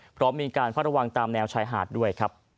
พร้อมมีการฟักระวังตามแนวชายหาดด้วย